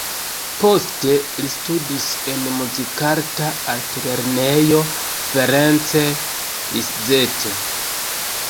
Poste li studis en Muzikarta Altlernejo Ferenc Liszt.